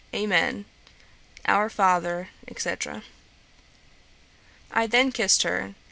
Amen. Our Father, &c. 'I then kissed her.